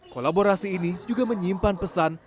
kolaborasi ini juga menyimpan pesan